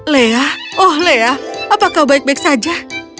lea oh lea apa kau baik baik saja